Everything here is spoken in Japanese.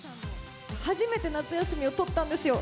初めて夏休みを取ったんですよ。